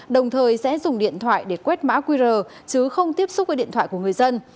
đồng thời sẽ dùng điện thoại để quét mã qr chứ không tiếp xúc với điện thoại của người dân